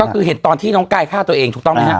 ก็คือเห็นตอนที่น้องกายฆ่าตัวเองถูกต้องไหมฮะ